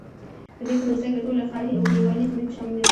په دې پروسه کې ټولې ښاري او کلیوالي ځمکې شاملې وې.